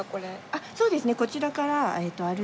あっそうですね。